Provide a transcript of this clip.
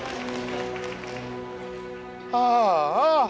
ああ。